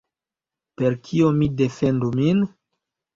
Per kio mi defendu min?